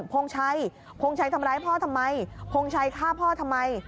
พงชัยพงชัยทำร้ายพ่อทำไมพงชัยฆ่าพ่อทำไม